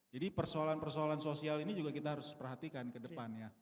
jadi persoalan persoalan sosial ini juga kita harus perhatikan ke depan ya